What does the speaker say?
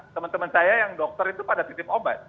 teman teman saya yang dokter itu pada titip obat